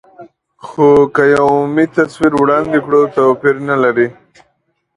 خو که یو عمومي تصویر وړاندې کړو، توپیر نه لري.